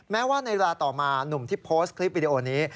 แม้ว่าในเวลาต่อมาหนุ่มที่โพสต์คลิปวิดีโอนี้